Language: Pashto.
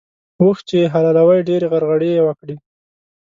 اوښ چې يې حلالوی؛ ډېرې غرغړې يې وکړې.